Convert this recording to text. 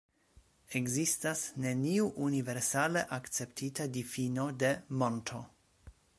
Ekzistas neniu universale akceptita difino de monto.